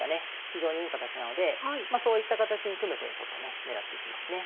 非常にいい形なのでそういった形に組む手をちょっとね狙っていきますね。